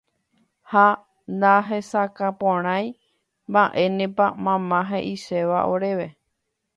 ha nahesakãporãi mba'énepa mama he'iséva oréve.